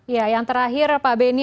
ya yang terakhir pak beni